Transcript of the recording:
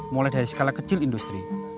mulai dari skala kecil industri